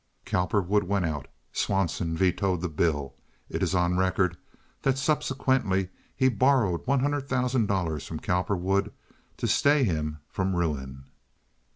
Cowperwood went out. Swanson vetoed the bill. It is on record that subsequently he borrowed one hundred thousand dollars from Cowperwood to stay him from ruin.